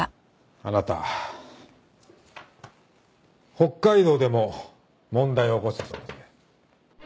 北海道でも問題を起こしたそうですね。